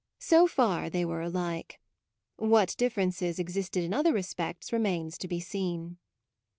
So far they were alike: what differences existed in other respects remains to be seen.